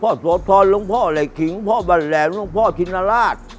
พ่อโสธรลุงพ่อไหล่ขิงพ่อบรรแหลงลุงพ่อชินราช